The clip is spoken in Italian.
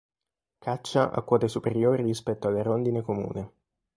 Caccia a quote superiori rispetto alla rondine comune.